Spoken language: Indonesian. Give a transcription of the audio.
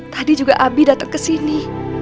tadi juga abi datang ke sini